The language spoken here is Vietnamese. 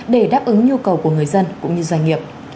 để đáp ứng nhu cầu của người dân cũng như doanh nghiệp